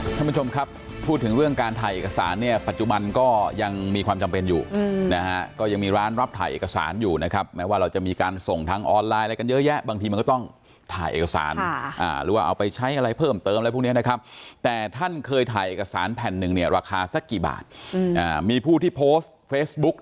ท่านผู้ชมครับพูดถึงเรื่องการถ่ายเอกสารเนี่ยปัจจุบันก็ยังมีความจำเป็นอยู่นะฮะก็ยังมีร้านรับถ่ายเอกสารอยู่นะครับแม้ว่าเราจะมีการส่งทางออนไลน์อะไรกันเยอะแยะบางทีมันก็ต้องถ่ายเอกสารหรือว่าเอาไปใช้อะไรเพิ่มเติมอะไรพวกนี้นะครับแต่ท่านเคยถ่ายเอกสารแผ่นหนึ่งเนี่ยราคาสักกี่บาทมีผู้ที่โพสต์เฟซบุ๊ก